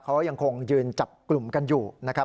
เขายังคงยืนจับกลุ่มกันอยู่นะครับ